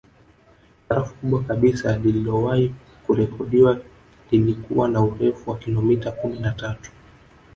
Barafu kubwa kabisa lililowahi kurekodiwa lilikuwa na urefu wa kilometa kumi na tatu